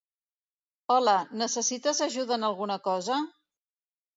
Hola, necessites ajuda en alguna cosa?